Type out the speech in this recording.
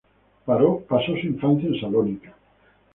Pasó su infancia en Salónica.